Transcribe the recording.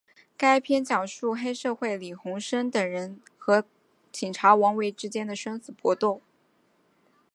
该片讲述黑社会李鸿声等人和警察王维之间的生死搏斗。